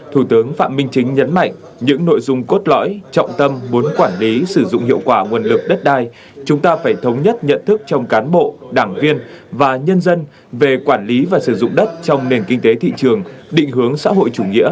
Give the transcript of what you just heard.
thủ tướng phạm minh chính nhấn mạnh những nội dung cốt lõi trọng tâm muốn quản lý sử dụng hiệu quả nguồn lực đất đai chúng ta phải thống nhất nhận thức trong cán bộ đảng viên và nhân dân về quản lý và sử dụng đất đai